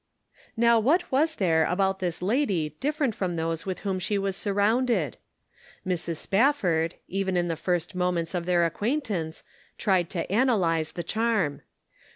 Now what was there about this lady different from those with whom she was surrounded? Mrs. Spafford, even in the first moments of their acquaintance, tried to analyze the charm.